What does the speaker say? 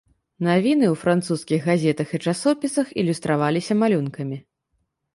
Навіны ў французскіх газетах і часопісах ілюстраваліся малюнкамі.